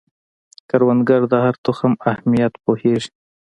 کروندګر د هر تخم اهمیت پوهیږي